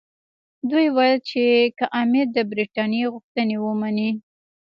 دوی ویل چې که امیر د برټانیې غوښتنې مني.